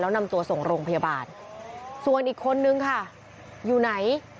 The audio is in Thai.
แล้วนำตัวส่งโรงพยาบาลส่วนอีกคนนึงค่ะอยู่ไหน